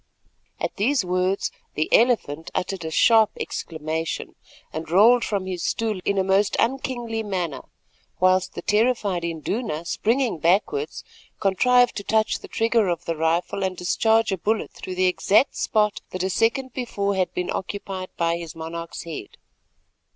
At these words the "Elephant" uttered a sharp exclamation, and rolled from his stool in a most unkingly manner, whilst the terrified Induna, springing backwards, contrived to touch the trigger of the rifle and discharge a bullet through the exact spot that a second before had been occupied by his monarch's head.